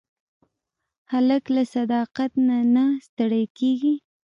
هلک له صداقت نه نه ستړی کېږي.